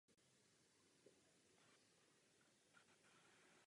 Jedním z hlavních důvodů úspěšnosti na domácím stadionu je vysoká nadmořská výška.